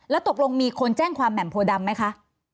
แล้วตกลงมีคนแจ้งความแหม่มโพดำไหมคะ